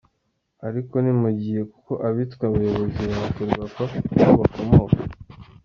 ariko nimugihe kuko abitwa abayobozi ba ferwafa niho bakomoka.